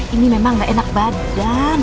ini memang gak enak badan